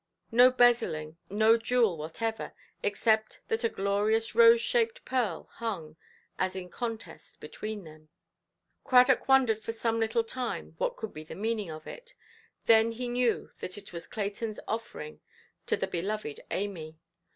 No bezilling, no jewel whatever, except that a glorious rose–shaped pearl hung, as in contest, between them. Cradock wondered for some little time what could be the meaning of it. Then he knew that it was Claytonʼs offering to the beloved Amy.